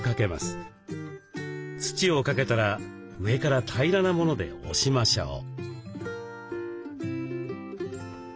土をかけたら上から平らなもので押しましょう。